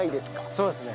そうですね。